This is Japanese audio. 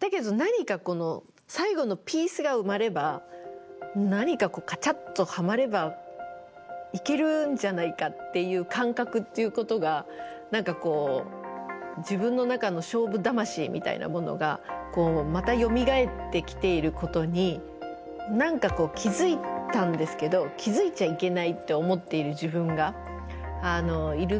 だけど何かこの最後のピースが埋まれば何かカチャッとハマればいけるんじゃないかっていう感覚っていうことが何か自分の中の勝負魂みたいなものがまたよみがえってきていることに何か気付いたんですけど気付いちゃいけないって思っている自分がいるぐらいちょっとこう。